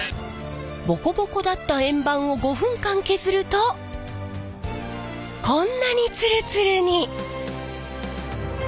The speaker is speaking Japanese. ボコボコだった円盤を５分間削るとこんなにツルツルに！